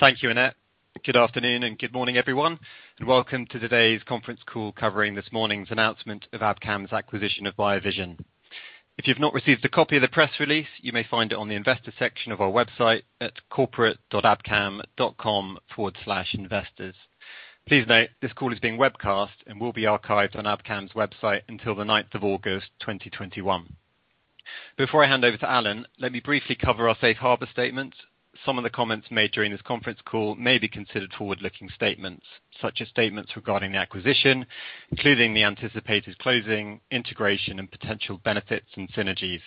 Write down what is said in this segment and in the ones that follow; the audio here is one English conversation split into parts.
Thank you, Annette. Good afternoon and good morning, everyone, and welcome to today's conference call covering this morning's announcement of Abcam's acquisition of BioVision. If you've not received a copy of the press release, you may find it on the investor section of our website at corporate.abcam.com/investors. Please note, this call is being webcast and will be archived on Abcam's website until the 9th of August 2021. Before I hand over to Alan, let me briefly cover our safe harbor statement. Some of the comments made during this conference call may be considered forward-looking statements, such as statements regarding the acquisition, including the anticipated closing, integration, and potential benefits and synergies,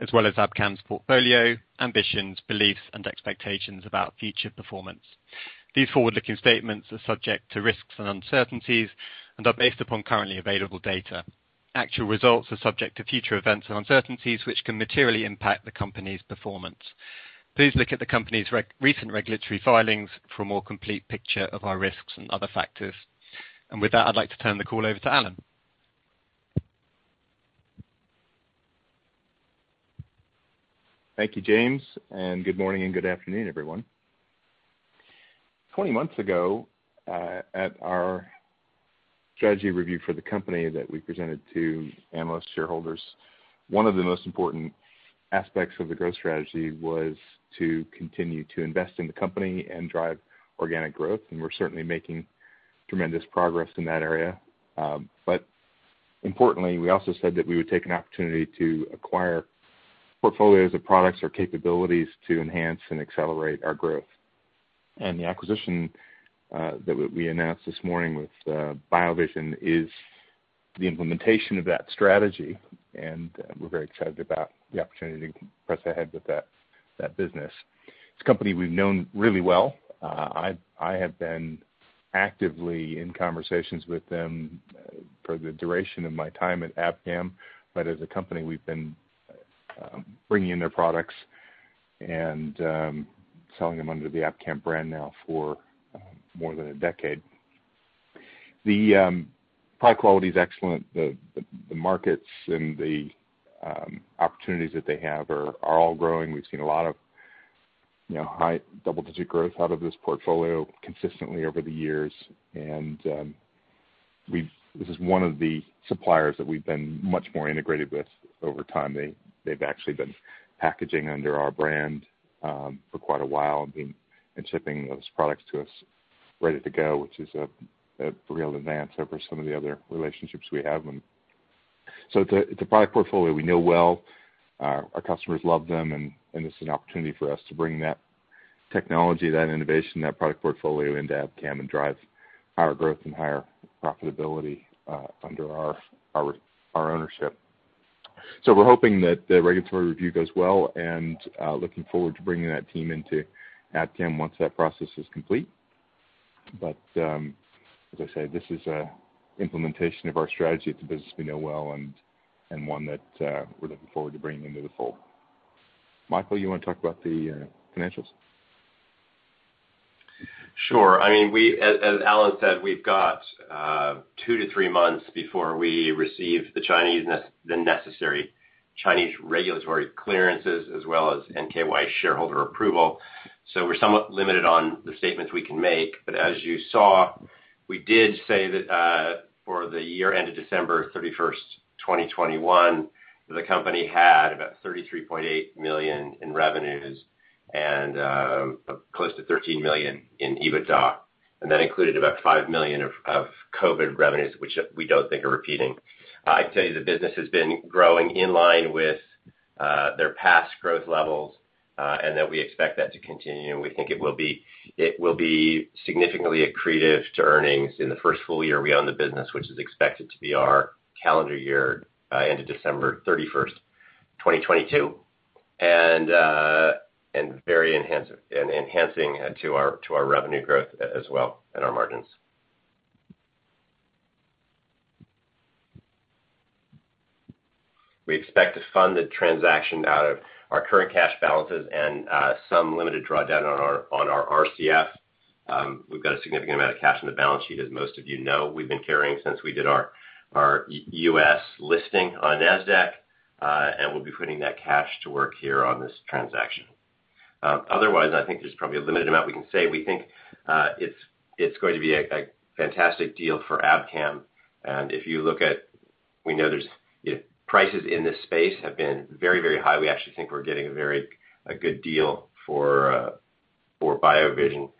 as well as Abcam's portfolio, ambitions, beliefs, and expectations about future performance. These forward-looking statements are subject to risks and uncertainties and are based upon currently available data. Actual results are subject to future events and uncertainties which can materially impact the company's performance. Please look at the company's recent regulatory filings for a more complete picture of our risks and other factors. With that, I'd like to turn the call over to Alan. Thank you, James. Good morning and good afternoon, everyone. 20 months ago, at our strategy review for the company that we presented to analyst shareholders, one of the most important aspects of the growth strategy was to continue to invest in the company and drive organic growth, and we're certainly making tremendous progress in that area. Importantly, we also said that we would take an opportunity to acquire portfolios of products or capabilities to enhance and accelerate our growth. The acquisition that we announced this morning with BioVision is the implementation of that strategy, and we're very excited about the opportunity to press ahead with that business. It's a company we've known really well. I have been actively in conversations with them for the duration of my time at Abcam, but as a company, we've been bringing in their products and selling them under the Abcam brand now for more than a decade. The product quality is excellent. The markets and the opportunities that they have are all growing. We've seen a lot of high double-digit growth out of this portfolio consistently over the years. This is one of the suppliers that we've been much more integrated with over time. They've actually been packaging under our brand for quite a while and shipping those products to us ready to go, which is a real advance over some of the other relationships we have. It's a product portfolio we know well. Our customers love them, and it's an opportunity for us to bring that technology, that innovation, that product portfolio into Abcam and drive higher growth and higher profitability under our ownership. We're hoping that the regulatory review goes well, and looking forward to bringing that team into Abcam once that process is complete. As I say, this is an implementation of our strategy. It's a business we know well and one that we're looking forward to bringing into the fold. Michael, you want to talk about the financials? Sure. As Alan said, we've got two-three months before we receive the necessary Chinese regulatory clearances, as well as NKY shareholder approval. We're somewhat limited on the statements we can make. As you saw, we did say that for the year end of December 31st, 2021, the company had about 33.8 million in revenues and close to 13 million in EBITDA, and that included about 5 million of COVID revenues, which we don't think are repeating. I'd say the business has been growing in line with their past growth levels, and that we expect that to continue, and we think it will be significantly accretive to earnings in the first full year we own the business, which is expected to be our calendar year end of December 31st, 2022, and enhancing to our revenue growth as well and our margins. We expect to fund the transaction out of our current cash balances and some limited drawdown on our RCF. We've got a significant amount of cash on the balance sheet. As most of you know, we've been carrying since we did our U.S. listing on NASDAQ, and we'll be putting that cash to work here on this transaction. Otherwise, I think there's probably a limited amount we can say. We think it's going to be a fantastic deal for Abcam. If you look at, we know prices in this space have been very, very high. We actually think we're getting a good deal for BioVision,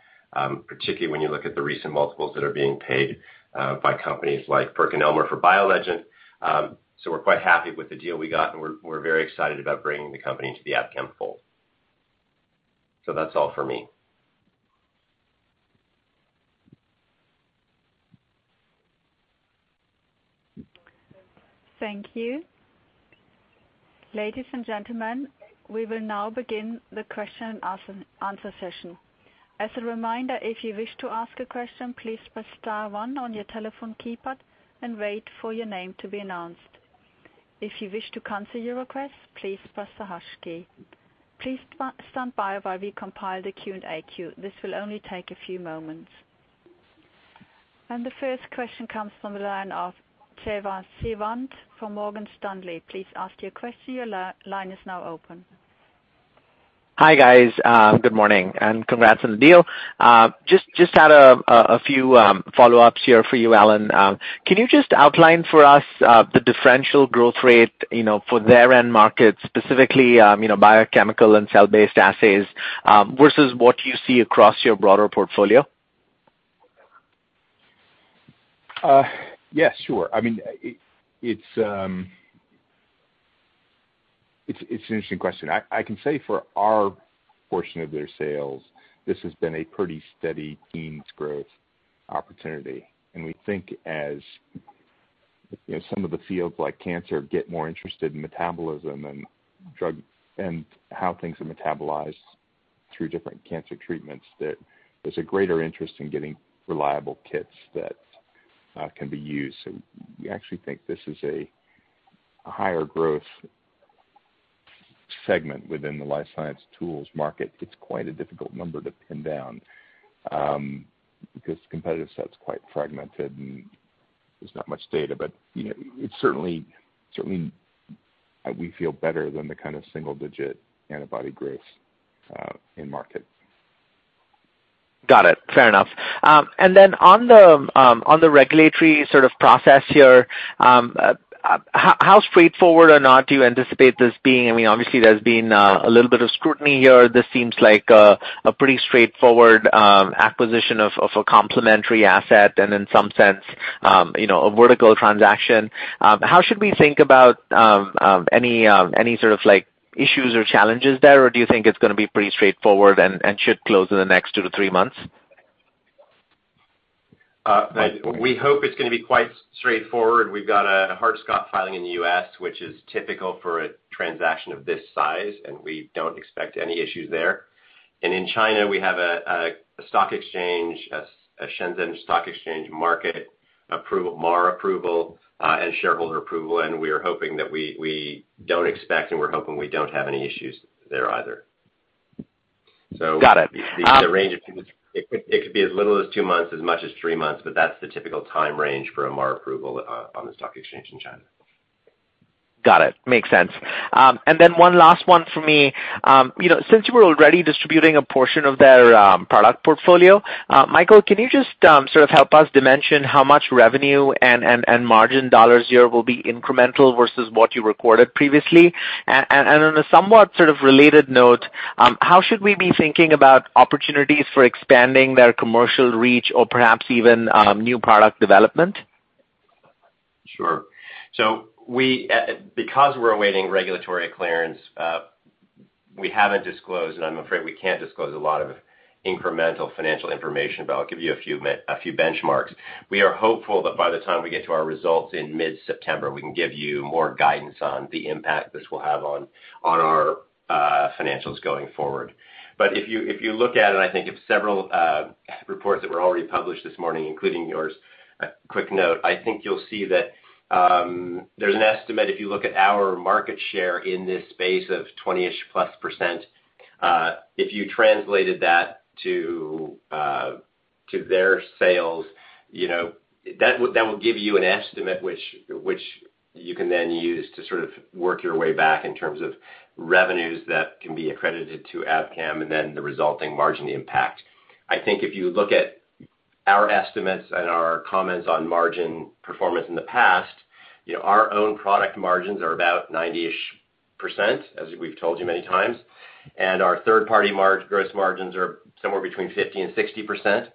particularly when you look at the recent multiples that are being paid by companies like PerkinElmer for BioLegend. We're quite happy with the deal we got, and we're very excited about bringing the company into the Abcam fold. That's all for me. Thank you. Ladies and gentlemen, we will now begin the question and answer session. As a reminder, if you wish to ask a question, please press star one on your telephone keypad and wait for your name to be announced. If you wish to cancel your request, please press the hash key. Please stand by while we compile the Q&A queue. This will only take a few moments. The first question comes from the line of Jeevan Sivan from Morgan Stanley. Please ask your question, your line is now open. Hi, guys. Good morning, and congrats on the deal. Just had a few follow-ups here for you, Alan. Can you just outline for us the differential growth rate for their end markets, specifically biochemical and cell-based assays, versus what you see across your broader portfolio? Yeah, sure. It's an interesting question. I can say for our portion of their sales, this has been a pretty steady teens growth opportunity. We think as some of the fields like cancer get more interested in metabolism and how things are metabolized through different cancer treatments, there's a greater interest in getting reliable kits that can be used. We actually think this is a higher growth segment within the life science tools market. It's quite a difficult number to pin down, because the competitive set's quite fragmented, and there's not much data. Certainly, we feel better than the kind of single-digit antibody growth in market. Got it. Fair enough. On the regulatory sort of process here, how straightforward or not do you anticipate this being? Obviously, there's been a little bit of scrutiny here. This seems like a pretty straightforward acquisition of a complementary asset, and in some sense, a vertical transaction. How should we think about any sort of issues or challenges there, or do you think it's going to be pretty straightforward and should close in the next two to three months? We hope it's going to be quite straightforward. We've got a Hart-Scott-Rodino filing in the U.S., which is typical for a transaction of this size. We don't expect any issues there. In China, we have a Shenzhen Stock Exchange market MOFCOM approval and shareholder approval. We don't expect, and we're hoping we don't have any issues there either. Got it. The range, it could be as little as two months, as much as three months, but that's the typical time range for a MOFCOM approval on the stock exchange in China. Got it. Makes sense. Then one last one from me. Since you were already distributing a portion of their product portfolio, Michael, can you just sort of help us dimension how much revenue and margin dollars here will be incremental versus what you recorded previously? On a somewhat sort of related note, how should we be thinking about opportunities for expanding their commercial reach or perhaps even new product development? Sure. Because we're awaiting regulatory clearance, we haven't disclosed, and I'm afraid we can't disclose a lot of incremental financial information, but I'll give you a few benchmarks. We are hopeful that by the time we get to our results in mid-September, we can give you more guidance on the impact this will have on our financials going forward. If you look at it, I think of several reports that were already published this morning, including yours, a quick note, I think you'll see that there's an estimate, if you look at our market share in this space of 20%+. If you translated that to their sales, that will give you an estimate, which you can then use to sort of work your way back in terms of revenues that can be accredited to Abcam and then the resulting margin impact. I think if you look at our estimates and our comments on margin performance in the past, our own product margins are about 90-ish%, as we've told you many times, and our third-party gross margins are somewhere between 50%-60%.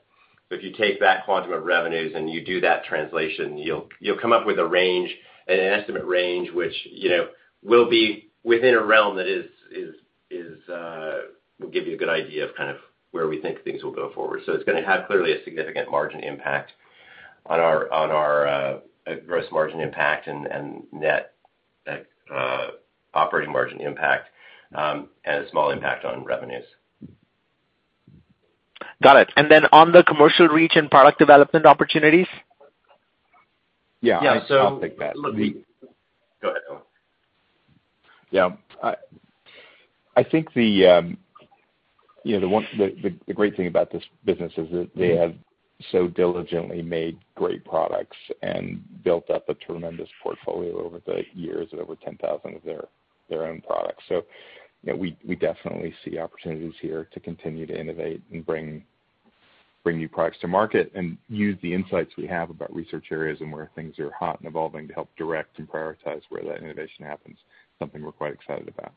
If you take that quantum of revenues and you do that translation, you'll come up with a range, an estimate range, which will be within a realm that will give you a good idea of kind of where we think things will go forward. It's going to have clearly a significant margin impact on our gross margin impact and net operating margin impact, and a small impact on revenues. Got it. On the commercial reach and product development opportunities? Yeah, I'll take that. Go ahead, Alan. I think the great thing about this business is that they have so diligently made great products and built up a tremendous portfolio over the years of over 10,000 of their own products. We definitely see opportunities here to continue to innovate and bring new products to market and use the insights we have about research areas and where things are hot and evolving to help direct and prioritize where that innovation happens, something we're quite excited about.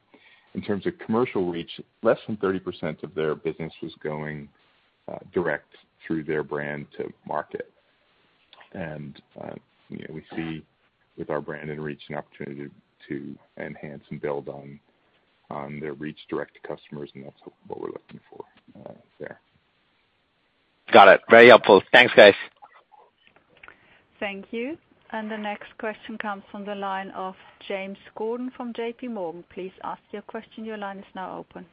In terms of commercial reach, less than 30% of their business was going direct through their brand to market. We see with our brand and reach an opportunity to enhance and build on their reach direct to customers, and that's what we're looking for there. Got it. Very helpful. Thanks, guys. Thank you. The next question comes from the line of James Gordon from JPMorgan. Please ask your question. Your line is now open.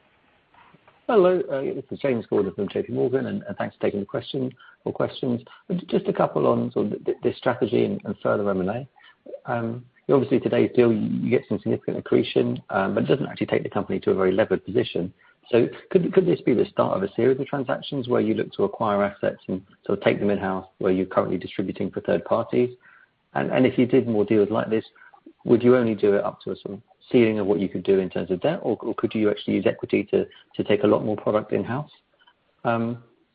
Hello, this is James Gordon from JPMorgan, thanks for taking the question or questions. Just a couple on sort of the strategy and further M&A. Obviously today's deal, you get some significant accretion, it doesn't actually take the company to a very levered position. Could this be the start of a series of transactions where you look to acquire assets and sort of take them in-house where you're currently distributing for third parties? If you did more deals like this, would you only do it up to a sort of ceiling of what you could do in terms of debt, or could you actually use equity to take a lot more product in-house?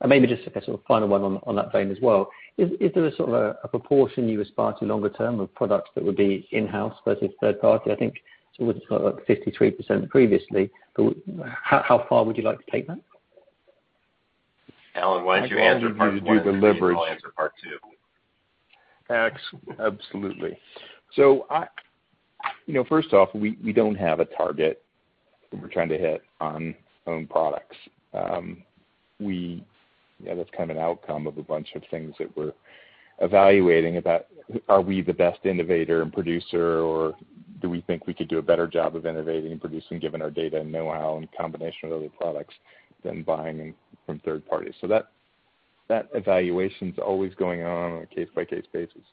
Maybe just a sort of final one on that vein as well, is there a sort of a proportion you aspire to longer term of products that would be in-house versus third party? I think sort of like 53% previously, but how far would you like to take that? Alan, why don't you answer part one and then I'll answer part two. Absolutely. First off, we don't have a target that we're trying to hit on own products. That's kind of an outcome of a bunch of things that we're evaluating about are we the best innovator and producer, or do we think we could do a better job of innovating and producing given our data and know-how and combination of other products than buying them from third parties. That evaluation's always going on on a case-by-case basis.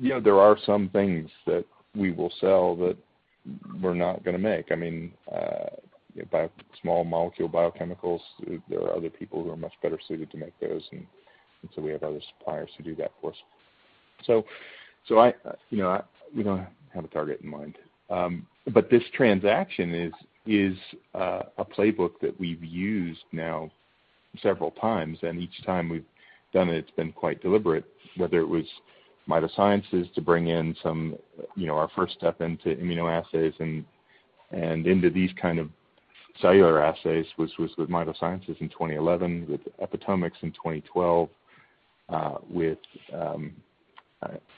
There are some things that we will sell that we're not going to make. Small molecule biochemicals, there are other people who are much better suited to make those, and so we have other suppliers who do that for us. We don't have a target in mind. This transaction is a playbook that we've used now several times, and each time we've done it's been quite deliberate, whether it was MitoSciences to bring in our first step into immunoassays and into these kind of cellular assays was with MitoSciences in 2011, with Epitomics in 2012, with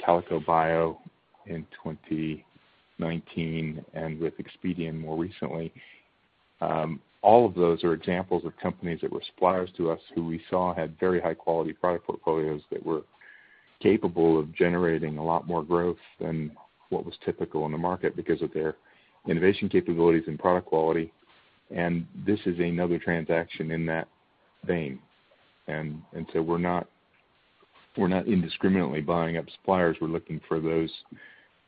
Calico Bio in 2019, and with Expedeon more recently. All of those are examples of companies that were suppliers to us who we saw had very high quality product portfolios that were capable of generating a lot more growth than what was typical in the market because of their innovation capabilities and product quality. This is another transaction in that vein. We're not indiscriminately buying up suppliers. We're looking for those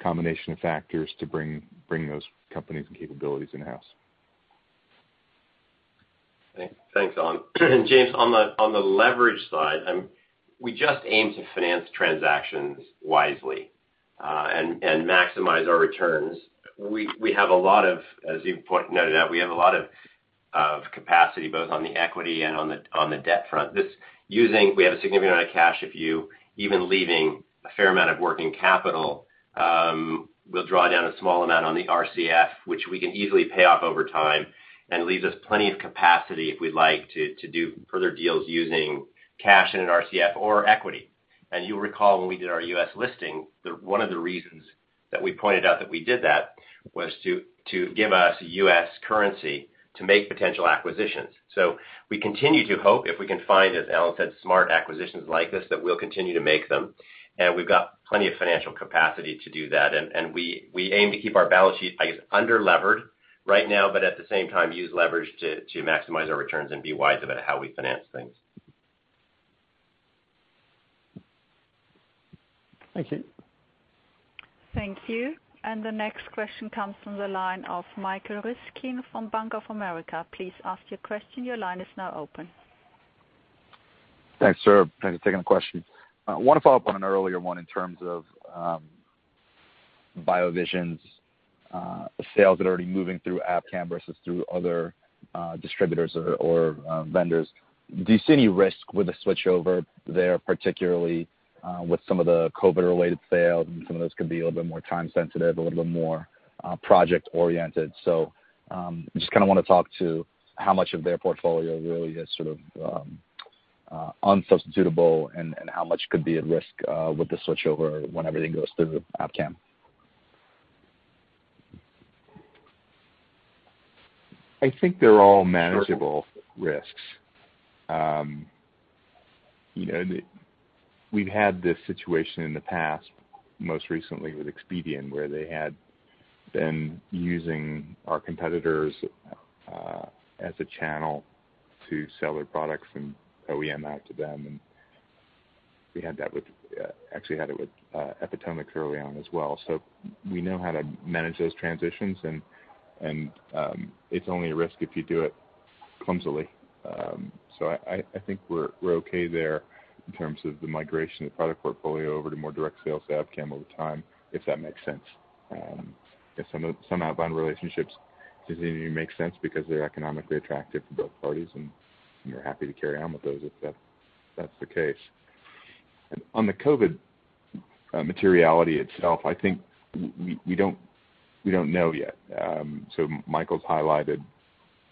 combination of factors to bring those companies and capabilities in-house. Thanks, Alan. James, on the leverage side, we just aim to finance transactions wisely and maximize our returns. As you noted out, we have a lot of capacity both on the equity and on the debt front. We have a significant amount of cash, even leaving a fair amount of working capital, we'll draw down a small amount on the RCF, which we can easily pay off over time and leaves us plenty of capacity if we'd like to do further deals using cash in an RCF or equity. You'll recall when we did our U.S. listing, one of the reasons that we pointed out that we did that was to give us U.S. currency to make potential acquisitions. We continue to hope if we can find, as Alan said, smart acquisitions like this, that we'll continue to make them, we've got plenty of financial capacity to do that. We aim to keep our balance sheet, I guess, under-levered right now, but at the same time, use leverage to maximize our returns and be wise about how we finance things. Thank you. Thank you. The next question comes from the line of Michael Ryskin from Bank of America. Please ask your question. Your line is now open. Thanks for taking the question. I want to follow up on an earlier one in terms of BioVision's sales that are already moving through Abcam versus through other distributors or vendors. Do you see any risk with the switchover there, particularly with some of the COVID-related sales and some of those could be a little bit more time sensitive, a little bit more project oriented. Just kind of want to talk to how much of their portfolio really is sort of unsubstitutable and how much could be at risk with the switchover when everything goes through Abcam. I think they're all manageable risks. We've had this situation in the past, most recently with Expedeon, where they had been using our competitors as a channel to sell their products and OEM out to them, and we actually had it with Epitomics early on as well. We know how to manage those transitions, and it's only a risk if you do it clumsily. I think we're okay there in terms of the migration of the product portfolio over to more direct sales to Abcam over time, if that makes sense. Some outbound relationships continue to make sense because they're economically attractive to both parties, and we're happy to carry on with those if that's the case. On the COVID materiality itself, I think we don't know yet. Michael's highlighted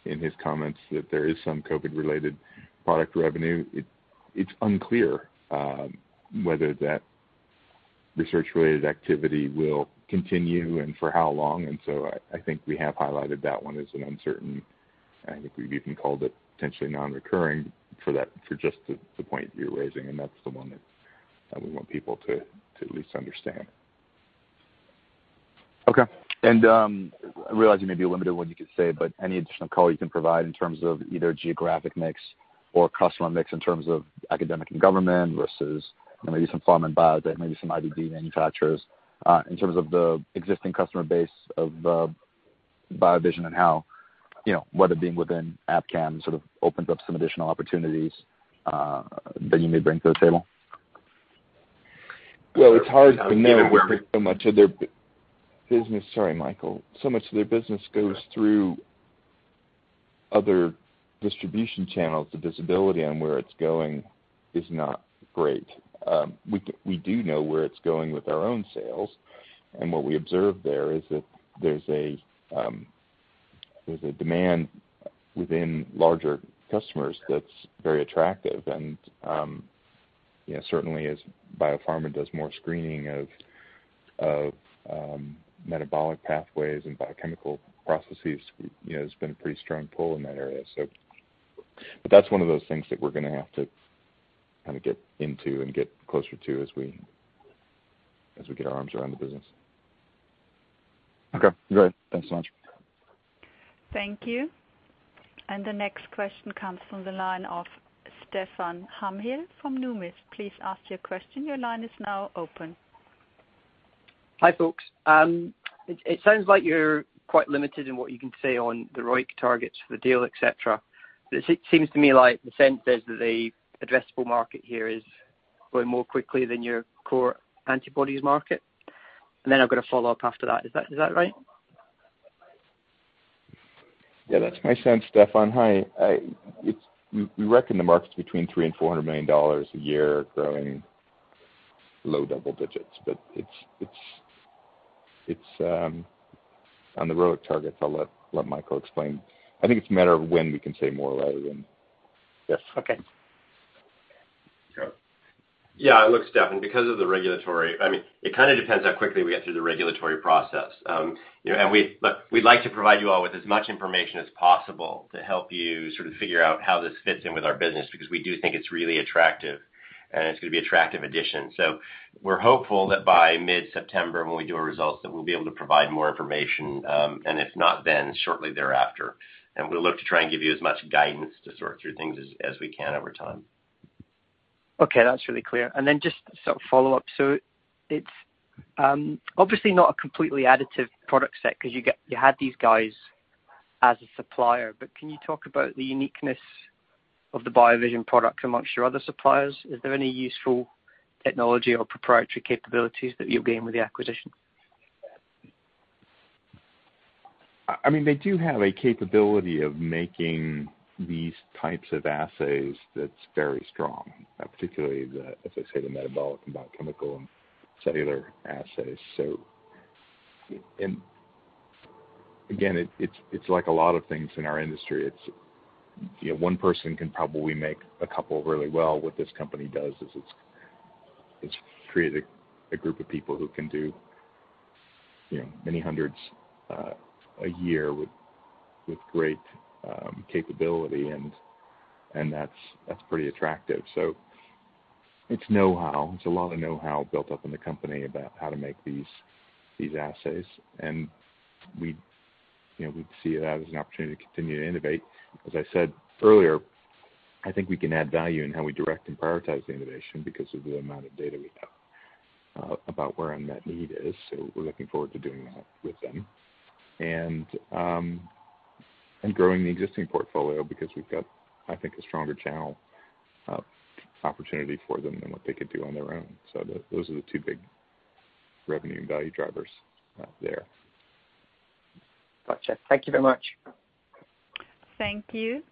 in his comments that there is some COVID-related product revenue. It's unclear whether that research-related activity will continue and for how long. I think we have highlighted that one as an uncertain, I think we've even called it potentially non-recurring for just the point you're raising. That's the one that we want people to at least understand. Okay. I realize you may be limited in what you can say, but any additional color you can provide in terms of either geographic mix or customer mix in terms of academic and government versus maybe some pharma and biotech, maybe some IVD manufacturers, in terms of the existing customer base of the BioVision and how whether being within Abcam sort of opens up some additional opportunities that you may bring to the table? Well, it's hard to know because so much of their business goes through other distribution channels. The visibility on where it's going is not great. We do know where it's going with our own sales. What we observe there is that there's a demand within larger customers that's very attractive. Certainly as biopharma does more screening of metabolic pathways and biochemical processes, there's been a pretty strong pull in that area. That's one of those things that we're going to have to get into and get closer to as we get our arms around the business. Okay, great. Thanks so much. Thank you. The next question comes from the line of Stefan Hamill from Numis. Please ask your question. Your line is now open. Hi, folks. It sounds like you're quite limited in what you can say on the ROIC targets for the deal, et cetera. It seems to me like the sense is that the addressable market here is growing more quickly than your core antibodies market. I've got a follow-up after that. Is that right? Yeah, that's my sense, Stefan. Hi. We reckon the market's between $300 million and $400 million a year, growing low double digits. On the ROIC targets, I'll let Michael explain. I think it's a matter of when we can say more rather than Yes. Okay. Go ahead. Yeah. Look, Stefan, because of the regulatory, it kind of depends how quickly we get through the regulatory process. Look, we'd like to provide you all with as much information as possible to help you sort of figure out how this fits in with our business, because we do think it's really attractive, and it's going to be an attractive addition. We're hopeful that by mid-September, when we do our results, that we'll be able to provide more information. If not, then shortly thereafter. We'll look to try and give you as much guidance to sort through things as we can over time. Okay, that's really clear. Then just sort of follow up. It's obviously not a completely additive product set because you had these guys as a supplier. Can you talk about the uniqueness of the BioVision product amongst your other suppliers? Is there any useful technology or proprietary capabilities that you'll gain with the acquisition? They do have a capability of making these types of assays that's very strong, particularly the, as I say, the metabolic and biochemical and cellular assays. Again, it's like a lot of things in our industry. One person can probably make a couple really well. What this company does is it's created a group of people who can do many hundreds a year with great capability, and that's pretty attractive. It's know-how. It's a lot of know-how built up in the company about how to make these assays. We'd see that as an opportunity to continue to innovate. As I said earlier, I think we can add value in how we direct and prioritize the innovation because of the amount of data we have about where unmet need is. We're looking forward to doing that with them and growing the existing portfolio because we've got, I think, a stronger channel opportunity for them than what they could do on their own. Those are the two big revenue and value drivers there. Gotcha. Thank you very much. Thank you.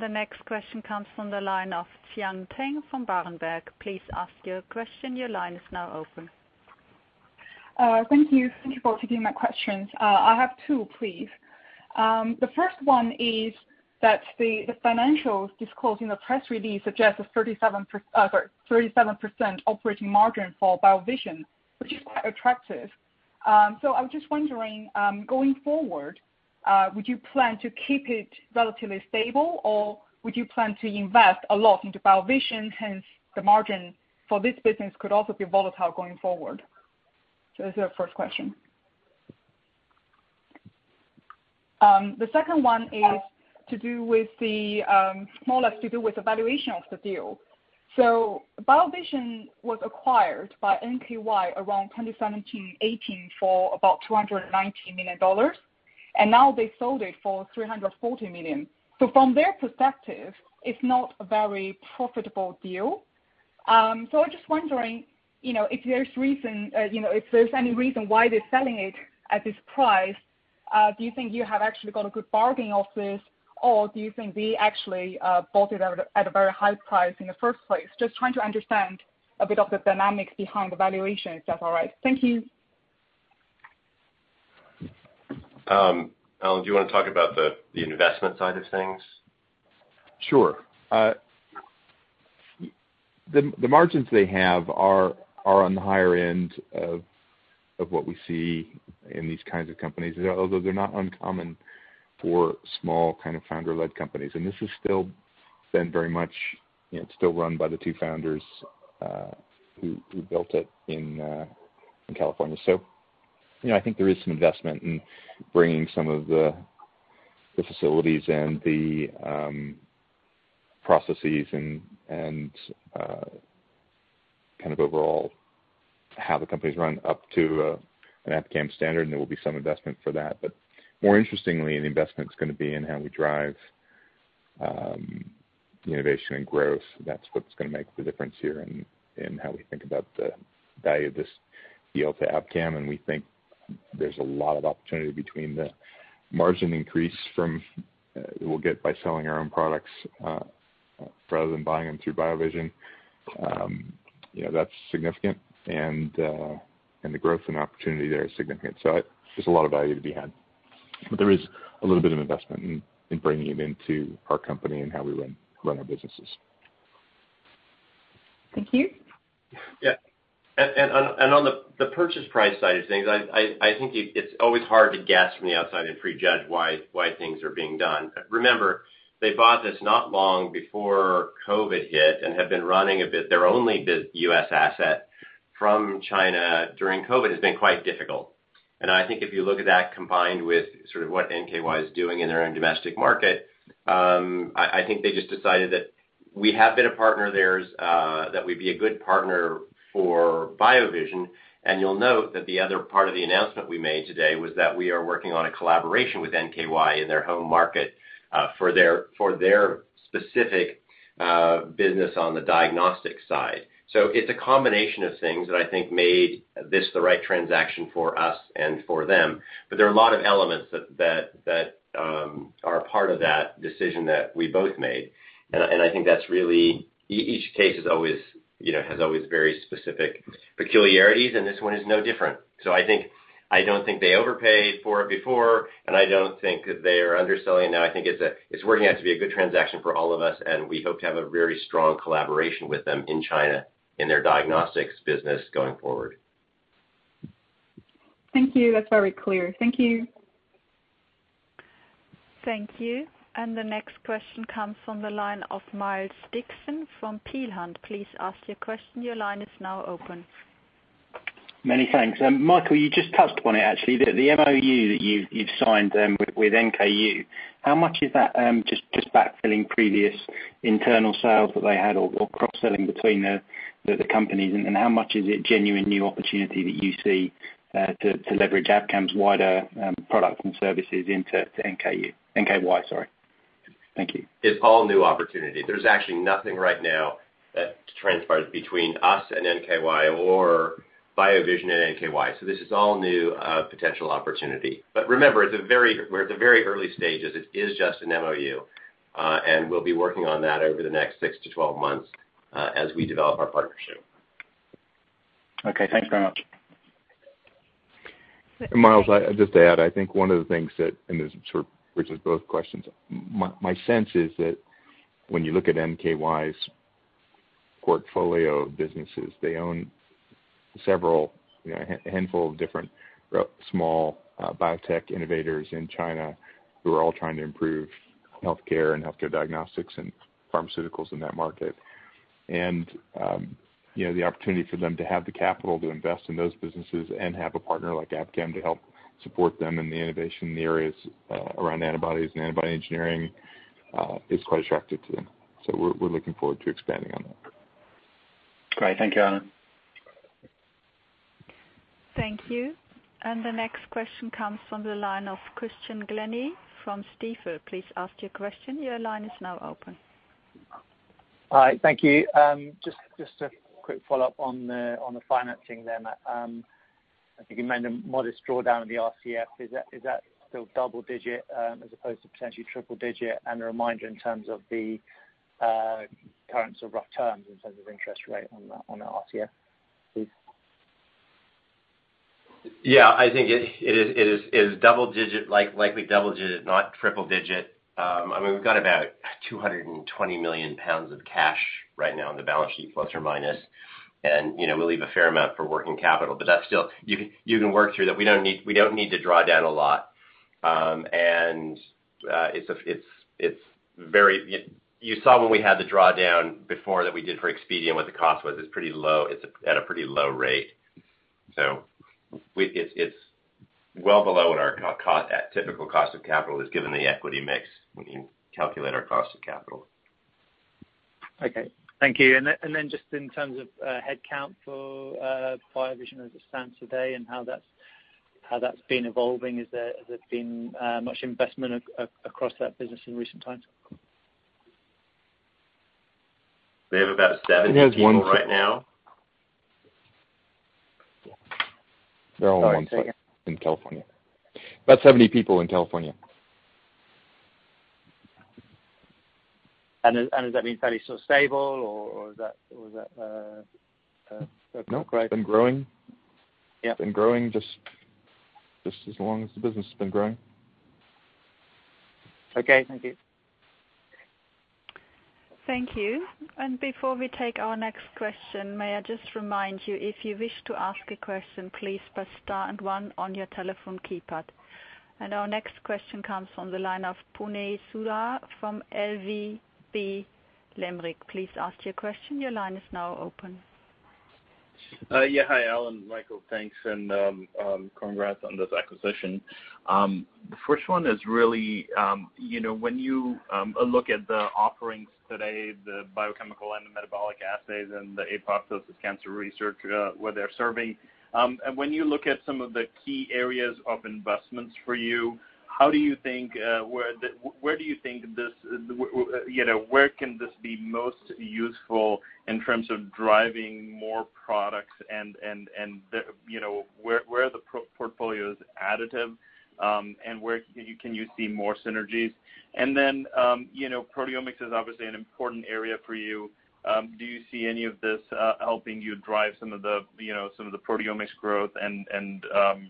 The next question comes from the line of Tian Teng from Berenberg. Please ask your question. Your line is now open. Thank you. Thank you both for taking my questions. I have two, please. The first one is that the financials disclosed in the press release suggest a 37% operating margin for BioVision, which is quite attractive. I was just wondering, going forward, would you plan to keep it relatively stable, or would you plan to invest a lot into BioVision, hence the margin for this business could also be volatile going forward? That's your first question. The second one is more or less to do with the valuation of the deal. BioVision was acquired by NKY around 2017, 2018 for about $290 million, and now they sold it for $340 million. From their perspective, it's not a very profitable deal. I'm just wondering if there's any reason why they're selling it at this price. Do you think you have actually got a good bargain off this, or do you think they actually bought it at a very high price in the first place? Just trying to understand a bit of the dynamics behind the valuation, if that's all right? Thank you. Alan, do you want to talk about the investment side of things? Sure. The margins they have are on the higher end of what we see in these kinds of companies, although they're not uncommon for small kind of founder-led companies. This is still very much, it's still run by the two founders who built it in California. I think there is some investment in bringing some of the facilities and the processes, and overall how the company's run up to an Abcam standard, and there will be some investment for that. More interestingly, the investment's going to be in how we drive innovation and growth. That's what's going to make the difference here in how we think about the value of this deal to Abcam. We think there's a lot of opportunity between the margin increase we'll get by selling our own products, rather than buying them through BioVision. That's significant, and the growth and opportunity there is significant. There's a lot of value to be had, but there is a little bit of investment in bringing it into our company and how we run our businesses. Thank you. Yeah. On the purchase price side of things, I think it's always hard to guess from the outside and prejudge why things are being done. Remember, they bought this not long before COVID hit and have been running a bit, their only U.S. asset from China during COVID has been quite difficult. I think if you look at that combined with sort of what NKY is doing in their own domestic market, I think they just decided that we have been a partner theirs, that we'd be a good partner for BioVision. You'll note that the other part of the announcement we made today was that we are working on a collaboration with NKY in their home market, for their specific business on the diagnostic side. It's a combination of things that I think made this the right transaction for us and for them. There are a lot of elements that are a part of that decision that we both made. I think each case has always very specific peculiarities, and this one is no different. I don't think they overpaid for it before, and I don't think they are underselling it now. I think it's working out to be a good transaction for all of us, and we hope to have a very strong collaboration with them in China in their diagnostics business going forward. Thank you. That's very clear. Thank you. Thank you. The next question comes from the line of Miles Dixon from Peel Hunt. Please ask your question. Your line is now open. Many thanks. Michael, you just touched upon it actually, the MOU that you've signed with NKY, how much is that just backfilling previous internal sales that they had or cross-selling between the companies, and how much is it genuine new opportunity that you see to leverage Abcam's wider products and services into NKY, sorry. Thank you. It's all new opportunity. There's actually nothing right now that transfers between us and NKY or BioVision and NKY, so this is all new potential opportunity. Remember, we're at the very early stages. It is just an MOU, and we'll be working on that over the next six months-12 months as we develop our partnership. Okay. Thanks very much. Miles, just to add, I think one of the things that, and this sort of bridges both questions, my sense is that when you look at NKY's portfolio of businesses, they own several, a handful of different small biotech innovators in China who are all trying to improve healthcare and healthcare diagnostics and pharmaceuticals in that market. The opportunity for them to have the capital to invest in those businesses and have a partner like Abcam to help support them in the innovation areas around antibodies and antibody engineering, is quite attractive to them. We're looking forward to expanding on that. Great. Thank you. Thank you. The next question comes from the line of Christian Glennie from Stifel. Please ask your question. Your line is now open. Hi. Thank you. Just a quick follow-up on the financing there. I think you made a modest drawdown of the RCF. Is that still double-digit, as opposed to potentially triple-digit? A reminder in terms of the current sort of rough terms in terms of interest rate on the RCF, please. Yeah, I think it is double-digit, likely double-digit, not triple-digit. We've got about 220 million pounds of cash right now on the balance sheet, plus or minus. We leave a fair amount for working capital, that's still, you can work through that. We don't need to draw down a lot. You saw when we had the drawdown before that we did for Expedeon, what the cost was. It's pretty low. It's at a pretty low rate. It's well below what our typical cost of capital is given the equity mix when you calculate our cost of capital. Okay. Thank you. Just in terms of headcount for BioVision as it stands today and how that's been evolving, has there been much investment across that business in recent times? They have about- There is one. ...70 people right now. There are only one site in California. About 70 people in California. Has that been fairly sort of stable or has that? No. It's been growing. Yep. It's been growing just as long as the business has been growing. Okay. Thank you. Thank you. Before we take our next question, may I just remind you, if you wish to ask a question, please press star and one on your telephone keypad. Our next question comes from the line of Puneet Souda from SVB Leerink. Please ask your question. Your line is now open. Hi, Alan, Michael. Thanks and congrats on this acquisition. The first one is really when you look at the offerings today, the biochemical and the metabolic assays and the apoptosis cancer research, where they're serving. When you look at some of the key areas of investments for you, where can this be most useful in terms of driving more products, and where are the portfolios additive, and where can you see more synergies? Proteomics is obviously an important area for you. Do you see any of this helping you drive some of the proteomics growth and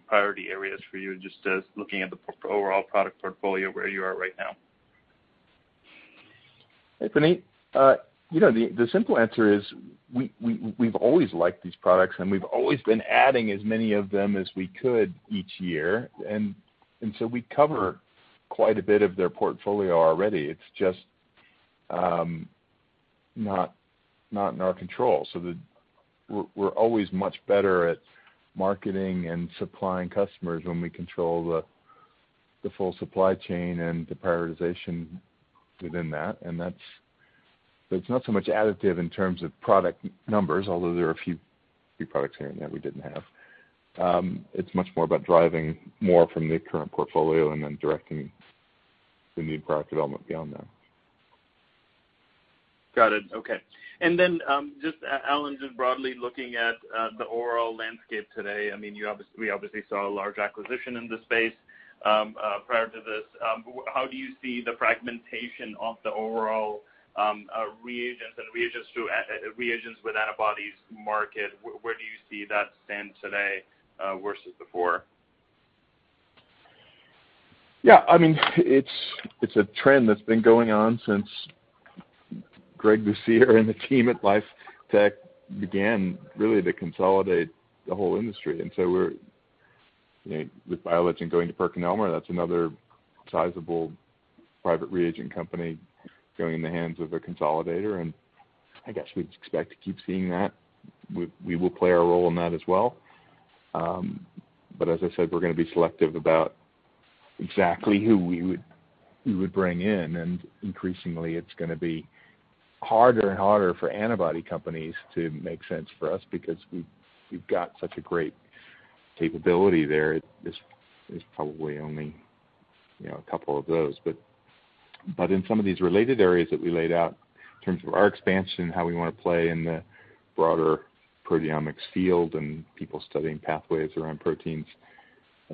priority areas for you, just as looking at the overall product portfolio where you are right now? Hey, Puneet. The simple answer is we've always liked these products, and we've always been adding as many of them as we could each year. We cover quite a bit of their portfolio already. It's just not in our control. We're always much better at marketing and supplying customers when we control the full supply chain and the prioritization within that. That's not so much additive in terms of product numbers, although there are a few products here and there we didn't have. It's much more about driving more from the current portfolio and then directing the new product development beyond that. Got it. Okay. Alan, broadly looking at the overall landscape today, we obviously saw a large acquisition in this space prior to this. How do you see the fragmentation of the overall reagents and reagents with antibodies market? Where do you see that stand today versus before? Yeah. It's a trend that's been going on since Greg Lucier and the team at Life Technologies began really to consolidate the whole industry. With BioLegend going to PerkinElmer, that's another sizable private reagent company going in the hands of a consolidator, and I guess we'd expect to keep seeing that. We will play a role in that as well. As I said, we're going to be selective about exactly who we would bring in. Increasingly, it's going to be harder and harder for antibody companies to make sense for us because we've got such a great capability there. There's probably only a couple of those. In some of these related areas that we laid out in terms of our expansion and how we want to play in the broader proteomics field and people studying pathways around proteins,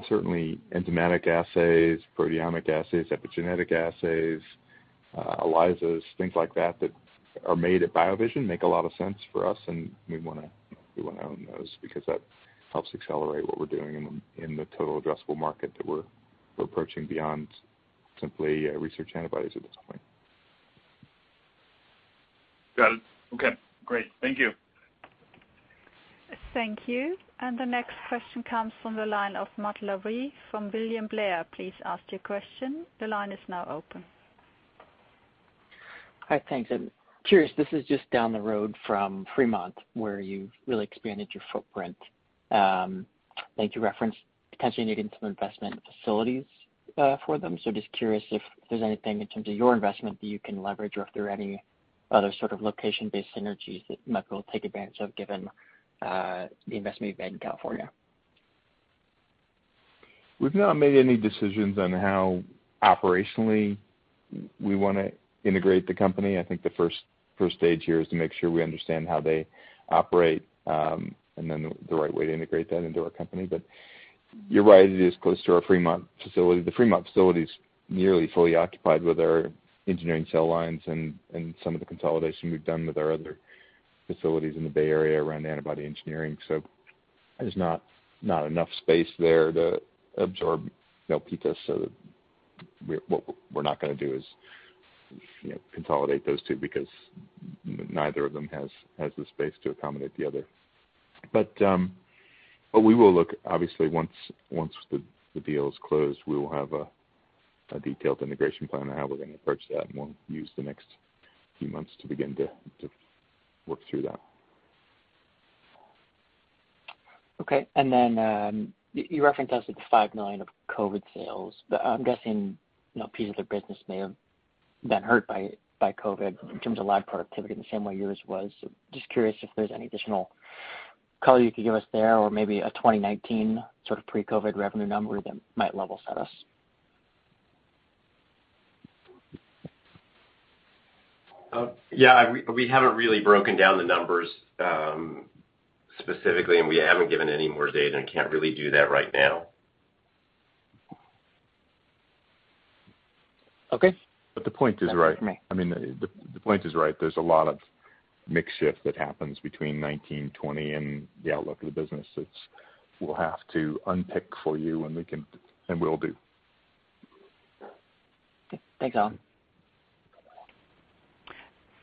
certainly enzymatic assays, proteomic assays, epigenetic assays, ELISAs, things like that are made at BioVision, make a lot of sense for us, and we want to own those because that helps accelerate what we're doing in the total addressable market that we're approaching beyond simply research antibodies at this point. Got it. Okay, great. Thank you. Thank you. The next question comes from the line of Matt Larew from William Blair. Hi. Thanks. I'm curious, this is just down the road from Fremont, where you've really expanded your footprint. I think you referenced potentially needing some investment facilities for them. Just curious if there's anything in terms of your investment that you can leverage or if there are any other sort of location-based synergies that might be able to take advantage of, given the investment you've made in California. We've not made any decisions on how operationally we want to integrate the company. I think the first stage here is to make sure we understand how they operate, and then the right way to integrate that into our company. You're right, it is close to our Fremont facility. The Fremont facility is nearly fully occupied with our engineering cell lines and some of the consolidation we've done with our other facilities in the Bay Area around antibody engineering. There's not enough space there to absorb Elpida. What we're not going to do is consolidate those two because neither of them has the space to accommodate the other. We will look, obviously, once the deal is closed, we will have a detailed integration plan on how we're going to approach that, and we'll use the next few months to begin to work through that. Okay. You referenced us at 5 million of COVID sales. I'm guessing a piece of their business may have been hurt by COVID in terms of lab productivity in the same way yours was. Just curious if there's any additional color you could give us there or maybe a 2019 sort of pre-COVID revenue number that might level set us. Yeah, we haven't really broken down the numbers specifically, and we haven't given any more data and can't really do that right now. Okay. The point is right. There's a lot of mix shift that happens between 2019, 2020, and the outlook of the business that we'll have to unpick for you when we can, and will do. Thanks, Alan.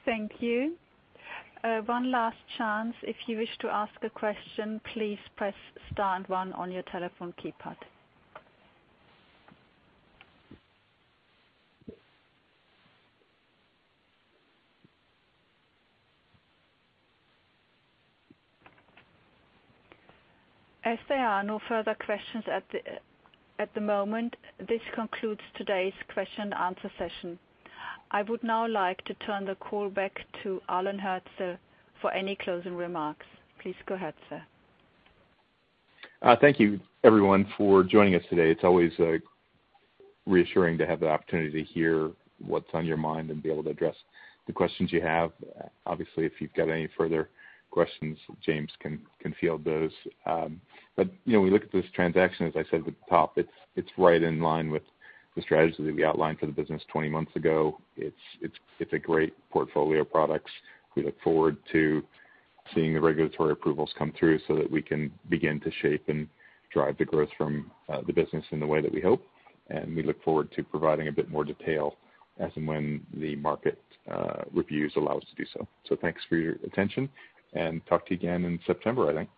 Thank you. One last chance. As there are no further questions at the moment, this concludes today's question and answer session. I would now like to turn the call back to Alan Hirzel for any closing remarks. Please go ahead, sir. Thank you everyone for joining us today. It's always reassuring to have the opportunity to hear what's on your mind and be able to address the questions you have. Obviously, if you've got any further questions, James can field those. We look at this transaction, as I said at the top, it's right in line with the strategy that we outlined for the business 20 months ago. It's a great portfolio of products. We look forward to seeing the regulatory approvals come through so that we can begin to shape and drive the growth from the business in the way that we hope. We look forward to providing a bit more detail as and when the market reviews allow us to do so. Thanks for your attention and talk to you again in September, I think.